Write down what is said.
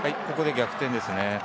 ここで逆転ですね。